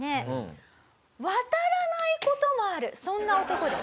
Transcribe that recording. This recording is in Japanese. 渡らない事もあるそんな男です。